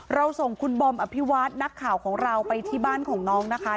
เราส่งคุณบอมอภิวัตนักข่าวของเราไปที่บ้านของน้องนะคะ